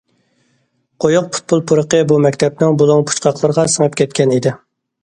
قويۇق پۇتبول پۇرىقى بۇ مەكتەپنىڭ بۇلۇڭ- پۇچقاقلىرىغا سىڭىپ كەتكەن ئىدى.